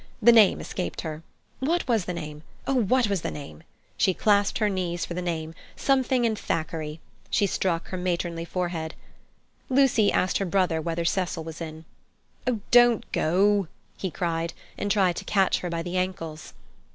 The name escaped her. What was the name? Oh, what was the name? She clasped her knees for the name. Something in Thackeray. She struck her matronly forehead. Lucy asked her brother whether Cecil was in. "Oh, don't go!" he cried, and tried to catch her by the ankles.